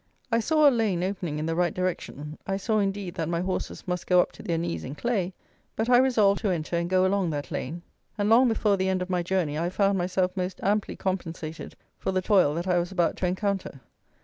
I saw a lane opening in the right direction; I saw indeed, that my horses must go up to their knees in clay; but I resolved to enter and go along that lane, and long before the end of my journey I found myself most amply compensated for the toil that I was about to encounter.